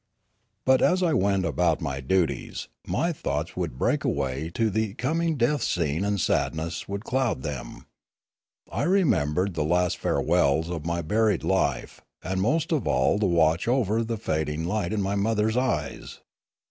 But, as I went about my duties, my thoughts would break away to the coming death scene and sadness would cloud them. I remembered the last farewells of my buried life, and most of all the watch over the fading light in my mother's eyes.